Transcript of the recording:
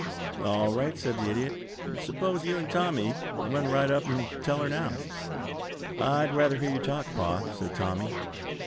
"All right," said the Idiot. "Suppose you and Tommy run right up and tell her now." "I'd rather hear you talk, pa," said Tommy.